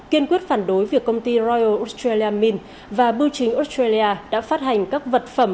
kiên quyết phản đối việc công ty royal australia và bưu chính australia đã phát hành các vật phẩm